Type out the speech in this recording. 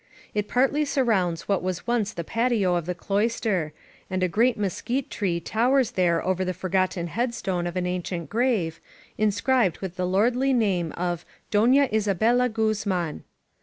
It partly surrounds what was once the patio of the cloister, and a great mesquite tree towers there over the forgotten headstone of an ancient grave, inscribed with the lordly name of Dona Isabella Guz man.